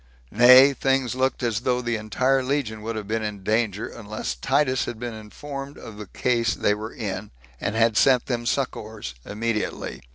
Nay, things looked as though the entire legion would have been in danger, unless Titus had been informed of the case they were in, and had sent them succors immediately.